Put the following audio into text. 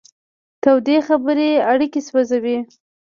تودې خبرې اړیکې سوځوي.